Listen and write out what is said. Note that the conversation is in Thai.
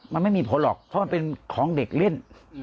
มันไม่มีผลหรอกเพราะมันเป็นของเด็กเล่น